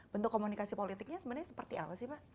bentuk komunikasi politiknya sebenarnya seperti apa sih pak